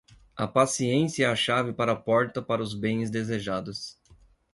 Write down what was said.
A paciência é a chave para a porta para os bens desejados.